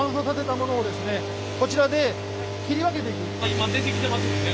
今出てきてますもんね